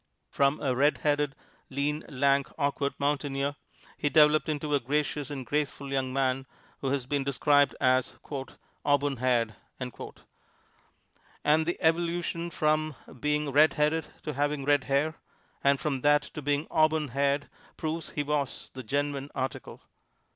From a red headed, lean, lank, awkward mountaineer, he developed into a gracious and graceful young man who has been described as "auburn haired." And the evolution from being red headed to having red hair, and from that to being auburn haired, proves he was the genuine article.